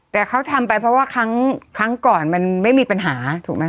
แต่เขาทำไปเพราะว่าครั้งก่อนมันไม่มีปัญหาถูกไหม